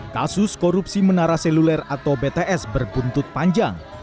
kasus korupsi menara seluler atau bts berbuntut panjang